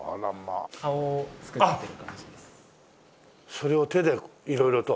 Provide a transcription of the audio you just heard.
それを手で色々と。